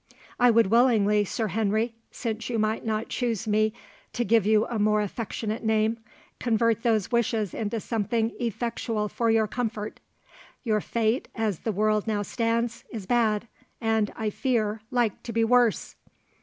"I would willingly, Sir Henry, since you might not choose me to give you a more affectionate name, convert those wishes into something effectual for your comfort. Your fate, as the world now stands, is bad, and, I fear, like to be worse."